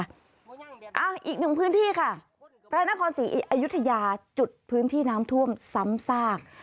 เอาอีกหนึ่งพื้นที่ค่ะพระนครศรีอยุธยาจุดพื้นที่น้ำท่วมซ้ำซาก